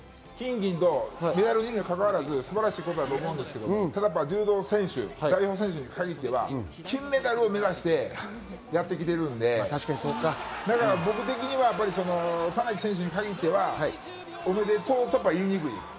金・銀・銅、メダルの色にかかわらず素晴らしいことだと思うんですが、柔道選手に限っては金メダルを目指してやってきているので、僕的には渡名喜選手に限っては、おめでとうとは言いにくいです。